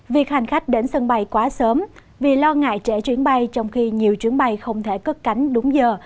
việc hành khách đến sân bay quá sớm vì lo ngại trẻ chuyến bay trong khi nhiều chuyến bay không thể cất cánh đúng giờ